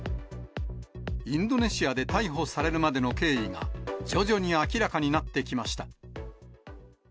インドネシアで逮捕されるまでの経緯が、徐々に明らかになってきました。